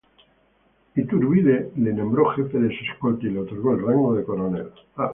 Iturbide lo nombró jefe de su escolta y le otorgó el rango de coronel.